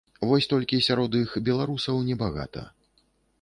Вось толькі сярод іх беларусаў небагата.